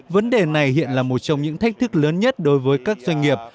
vấn đề này hiện là một trong những thách thức lớn nhất đối với các doanh nghiệp